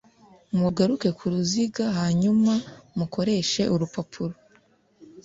Mugaruke ku ruziga hanyuma mukoreshe urupapuro